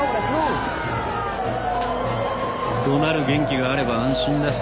怒鳴る元気があれば安心だ。